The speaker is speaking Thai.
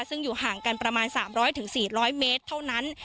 ซึ่งอยู่ห่างกันประมาณ๓๐๐๔๐๐เมตรเท่านั้น